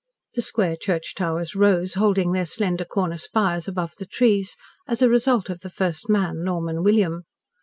The square church towers rose, holding their slender corner spires above the trees, as a result of the First Man, Norman William.